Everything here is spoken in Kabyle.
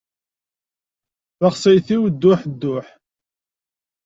Taxsayt-iw duḥ duḥ.